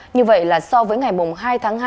như vậy là so với ngày hai tháng hai